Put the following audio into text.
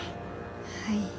はい。